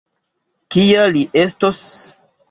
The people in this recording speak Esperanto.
Kia li estos?